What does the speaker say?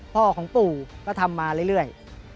พ่อของปู่ก็ทำมาเรื่อย